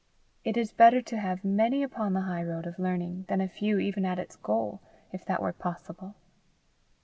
It is better to have many upon the high road of learning, than a few even at its goal, if that were possible.